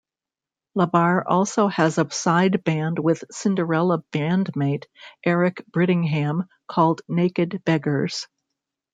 LaBar also has a side band with Cinderella bandmate Eric Brittingham called Naked Beggars.